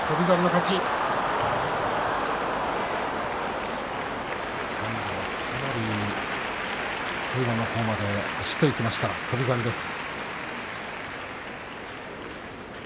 かなり通路のほうまで走っていきました翔猿です。